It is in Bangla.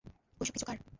ঐসব কিছু কার?